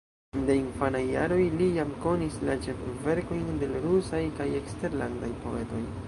De infanaj jaroj li jam konis la ĉefverkojn de l' rusaj kaj eksterlandaj poetoj.